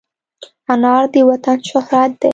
انار د وطن شهرت دی.